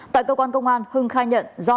tại cơ quan công an hưng khai nhận do